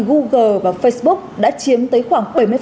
google và facebook đã chiếm tới khoảng